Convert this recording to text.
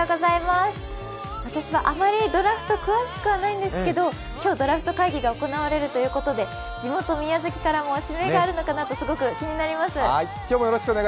私はあまりドラフト、詳しくはないんですけど、今日、ドラフト会議が行われるということで、地元・宮崎からも指名があるのかなとすごく気になります。